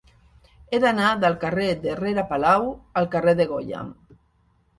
He d'anar del carrer de Rere Palau al carrer de Goya.